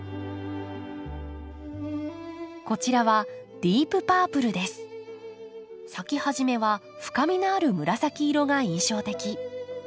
こちらは咲き始めは深みのある紫色が印象的。